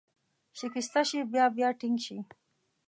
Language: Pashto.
شکسته شي، بیا بیا ټینګ شي.